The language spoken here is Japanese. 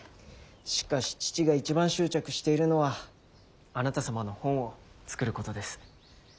しかし父が一番執着しているのはあなた様の本を作ることです。